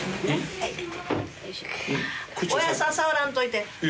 おやっさん触らんといて。